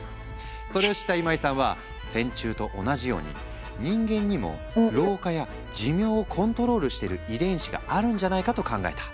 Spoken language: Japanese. それを知った今井さんは線虫と同じように人間にも老化や寿命をコントロールしている遺伝子があるんじゃないかと考えた。